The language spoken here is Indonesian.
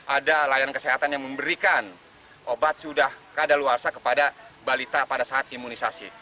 ada layan kesehatan yang memberikan obat sudah ke dalawarsa kepada balita pada saat imunisasi